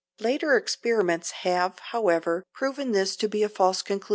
Later experiments have, however, proven this to be a false conclusion.